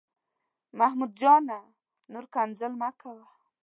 محمود جانه، نور کنځل مه کوه.